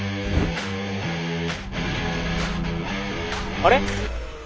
あれ？